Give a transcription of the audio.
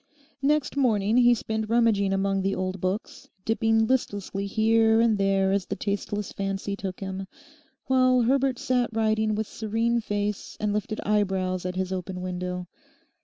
Next morning he spent rummaging among the old books, dipping listlessly here and there as the tasteless fancy took him, while Herbert sat writing with serene face and lifted eyebrows at his open window.